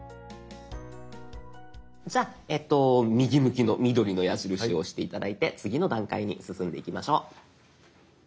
じゃあ右向きの緑の矢印を押して頂いて次の段階に進んでいきましょう。